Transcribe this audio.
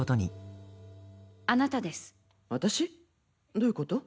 どういうこと？